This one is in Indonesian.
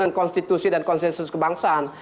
dengan konstitusi dan konsensus kebangsaan